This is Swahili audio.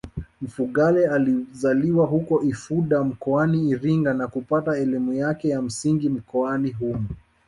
Mfugale alizaliwa huko Ifunda mkoani Iringa na kupata elimu yake ya msingi mkoani humo